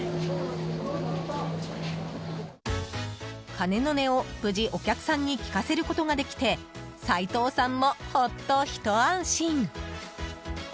鐘の音を無事お客さんに聴かせることができて齊藤さんも、ほっとひと安心。